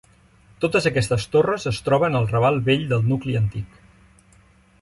Totes aquestes torres es troben al Raval Vell del nucli antic.